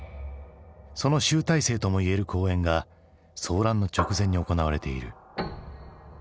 その集大成ともいえる公演が騒乱の直前に行われている。